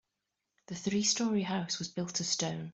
The three story house was built of stone.